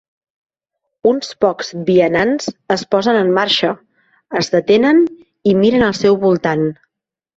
Uns pocs vianants es posen en marxa, es detenen i miren al seu voltant.